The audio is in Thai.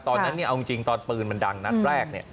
ตอนนั้นเอาจริงตอนปืนมันดังนัดแรก